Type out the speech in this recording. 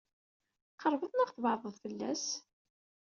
Tqeṛbeḍ neɣ tbeɛdeḍ fell-as?